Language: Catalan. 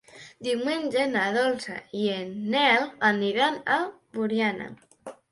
Diumenge na Dolça i en Nel aniran a Borriana.